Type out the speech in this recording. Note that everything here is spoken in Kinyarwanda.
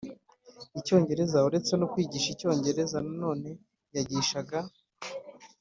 icyongereza Uretse kwigisha icyongereza nanone yagishaga